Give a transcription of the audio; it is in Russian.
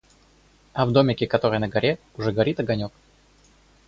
А в домике, который на горе, уже горит огонёк.